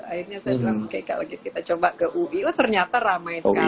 akhirnya saya bilang oke kalau gitu kita coba ke ui wah ternyata ramai sekali